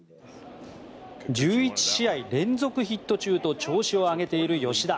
１１試合連続ヒット中と調子を上げている吉田。